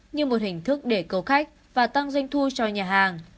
như một hình thức để câu khách và tăng doanh thu cho nhà hàng